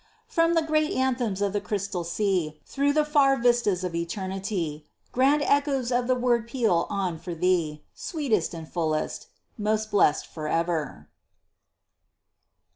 From the great anthems of the Crystal Sea, Through the far vistas of Eternity, Grand echoes of the word peal on for thee, Sweetest and fullest: 'Most blessed for ever.'